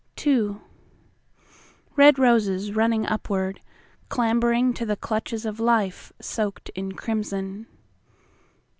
IIRed roses running upward, Clambering to the clutches of lifeSoaked in crimson.